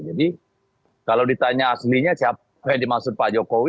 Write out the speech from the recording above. jadi kalau ditanya aslinya siapa yang dimaksud pak jokowi